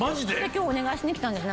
今日お願いしに来たんです